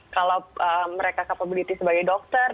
kalau mereka capability sebagai dokter